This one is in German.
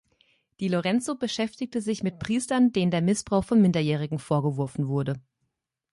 DiLorenzo beschäftigte sich mit Priestern, denen der Missbrauch von Minderjährigen vorgeworfen wurde.